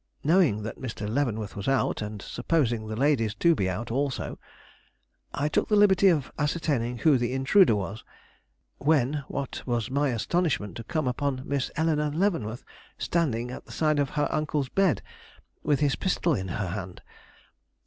Knowing that Mr. Leavenworth was out, and supposing the ladies to be out also, I took the liberty of ascertaining who the intruder was; when what was my astonishment to come upon Miss Eleanore Leavenworth, standing at the side of her uncle's bed, with his pistol in her hand.